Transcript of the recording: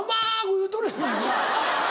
言うとるやないか。